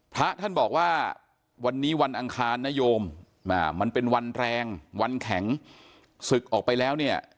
พระท่านบอกว่าวันนี้วันอังคารนโยมมันเป็นวันแรงวันแข็งศึกออกไปแล้วเนี่ย